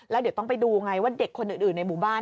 แล้วเดี๋ยวต้องไปดูไงว่าเด็กคนอื่นในหมู่บ้าน